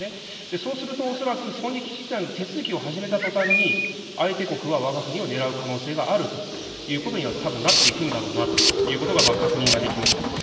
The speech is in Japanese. そうすると、恐らく存立危機事態の手続きを始めたとたんに、相手国はわが国を狙う可能性があるということにはたぶんなっていくんだろうなということが確認はできました。